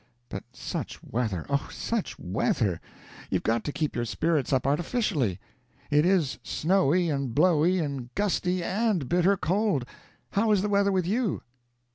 But such weather, oh, such weather! You've got to keep your spirits up artificially. It is snowy, and blowy, and gusty, and bitter cold! How is the weather with you?"